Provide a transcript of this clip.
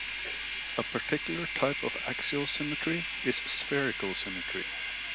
A particular type of axial symmetry is spherical symmetry.